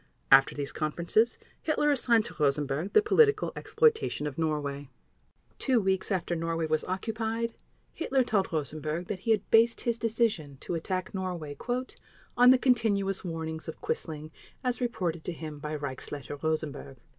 After these conferences Hitler assigned to Rosenberg the political exploitation of Norway. Two weeks after Norway was occupied, Hitler told Rosenberg that he had based his decision to attack Norway "on the continuous warnings of Quisling as reported to him by Reichsleiter Rosenberg."